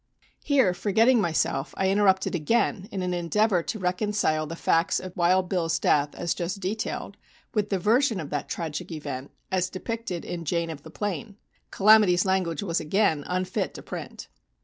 Here, forgetting myself, I interrupted again in an endeavour to reconcile the facts of "Wild Bill's" death as just detailed with the version of that tragic event as depicted in "Jane of the Plain." "Calamity's" language was again unfit to print.